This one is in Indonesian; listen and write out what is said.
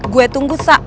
gue tunggu sa